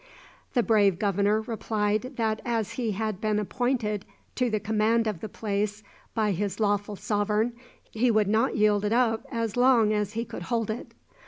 The brave governor replied that as he had been appointed to the command of the place by his lawful sovereign, he would not yield it up as long as he could hold it.